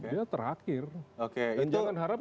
dia terakhir dan jangan harap